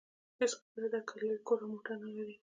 هېڅ خبره نه ده که لوی کور او موټر نلرئ.